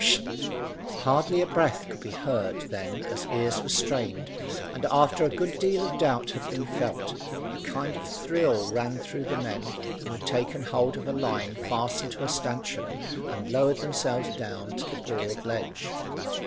Pst!" Hardly a breath could be heard then as ears were strained, and after a good deal of doubt had been felt, a kind of thrill ran through the men who had taken hold of a line fastened to a stanchion and lowered themselves down to the broad ledge.